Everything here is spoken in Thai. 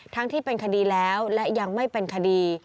ที่เป็นคดีแล้วและยังไม่เป็นคดี